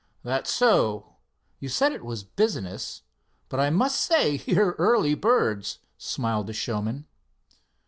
"That's so you said it was business, but I must say you are early birds," smiled the showman.